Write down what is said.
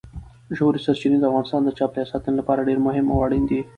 ژورې سرچینې د افغانستان د چاپیریال ساتنې لپاره ډېر مهم او اړین دي.